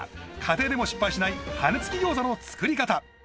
家庭でも失敗しない羽根つき餃子の作り方